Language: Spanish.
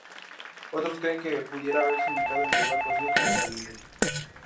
Otros creen que pudiera haberse ubicado en el lugar conocido como "San Miguel".